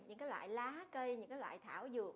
những cái loại lá cây những loại thảo dược